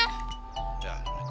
aku lag gatearted